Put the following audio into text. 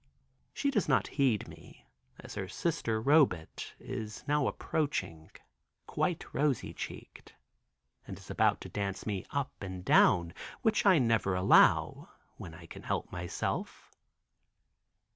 She does not heed me as her sister Robet is now approaching quite rosy cheeked, and is about to dance me up and down, which I never allow, when I can help myself.